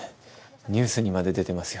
ニュースにまで出てますよ。